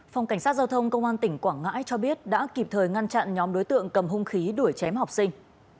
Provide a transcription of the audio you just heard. phòng cảnh sát giao thông công an tỉnh quảng ngãi cho biết đã kịp thời ngăn chặn nhóm đối tượng cầm hung khí đuổi chém học sinh